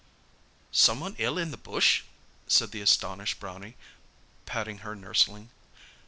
"Someone ill in the bush?" said the astonished Brownie, patting her nurseling.